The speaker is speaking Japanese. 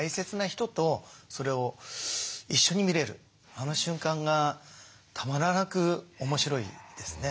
あの瞬間がたまらなく面白いですね。